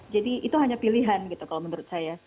jadi itu hanya pilihan gitu kalau menurut saya